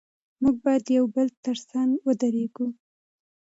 موږ باید د یو بل تر څنګ ودرېږو.